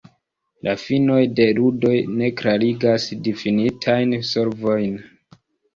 La finoj de ludoj ne klarigas difinitajn solvojn.